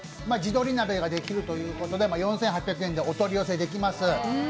地鶏鍋ができるということで４８００円でお取り寄せできます。